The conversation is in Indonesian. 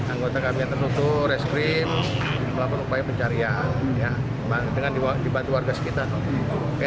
anggota kami yang tertutup reskrim melakukan upaya pencarian dengan dibantu warga sekitar